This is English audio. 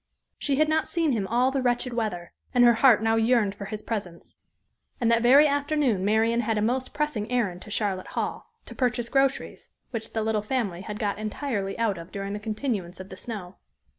She had not seen him all the wretched weather, and her heart now yearned for his presence. And that very afternoon Marian had a most pressing errand to Charlotte Hall, to purchase groceries, which the little family had got entirely out of during the continuance of the snow.